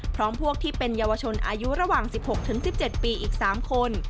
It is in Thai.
พวกที่เป็นเยาวชนอายุระหว่าง๑๖๑๗ปีอีก๓คน